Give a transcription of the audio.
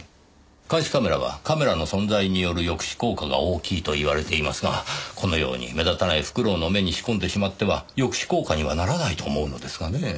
監視カメラはカメラの存在による抑止効果が大きいといわれていますがこのように目立たないフクロウの目に仕込んでしまっては抑止効果にはならないと思うのですがねぇ。